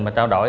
mình trao đổi